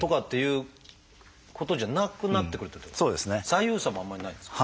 左右差もあんまりないんですか？